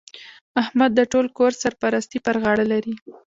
احمد د ټول کور سرپرستي پر غاړه لري.